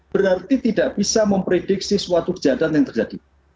berarti tidak bisa memprediksi suatu kejahatan yang terjadi